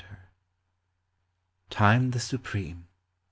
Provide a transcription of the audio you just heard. TIME THE SUPREME.